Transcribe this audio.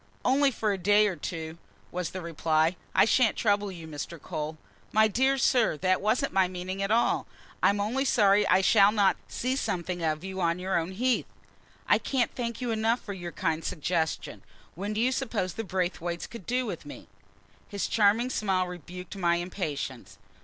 "Only for a day or two," was the reply. "I shan't trouble you, Mr. Cole." "My dear sir, that wasn't my meaning at all. I'm only sorry I shall not see something of you on your own heath. I can't thank you enough for your kind suggestion. When do you suppose the Braithwaites could do with me?" His charming smile rebuked my impatience.